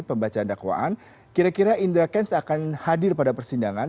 pembacaan dakwaan kira kira indra kents akan hadir pada persidangan